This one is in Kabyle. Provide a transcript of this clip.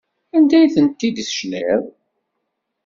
Anda ay tent-id-tecniḍ?